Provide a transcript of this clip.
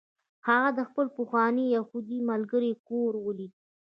هغه د خپل پخواني یهودي ملګري کور ولید